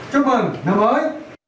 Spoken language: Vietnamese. chúc mừng năm mới